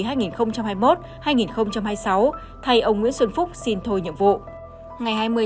thay ông nguyễn xuân phúc xin thôi nhiệm vụ